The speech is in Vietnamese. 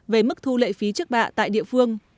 về mức thu lệ phí trước bạ tại địa phương